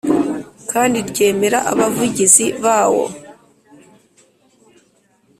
kandi ryemera Abavugizi bawo